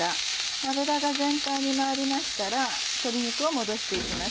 油が全体に回りましたら鶏肉を戻して行きます。